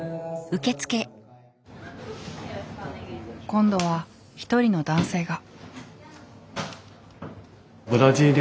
今度は一人の男性が。